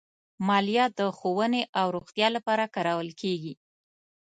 مالیه د ښوونې او روغتیا لپاره کارول کېږي.